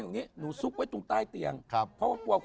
อันนี้คืออะไรครับ